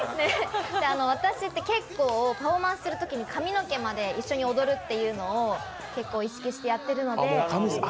私、結構、パフォーマンスするときに髪の毛まで一緒に踊るってのを結構意識してやっているので。